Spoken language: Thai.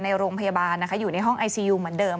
ในโรงพยาบาลนะคะอยู่ในห้องไอซียูเหมือนเดิม